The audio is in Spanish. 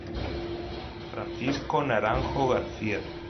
Francisco Naranjo García.